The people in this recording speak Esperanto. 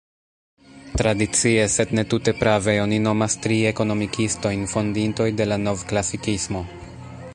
Tradicie, sed ne tute prave, oni nomas tri ekonomikistojn fondintoj de la novklasikismo.